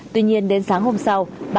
tuy nhiên đến sáng hôm sáng